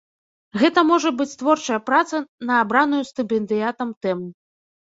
Гэта можа быць творчая праца на абраную стыпендыятам тэму.